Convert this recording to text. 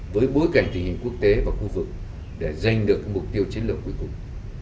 với bối cảnh tình hình quốc tế và khu vực để giành được mục tiêu chiến lược cuối cùng